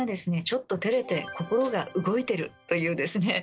ちょっとてれて心が動いてる！というですね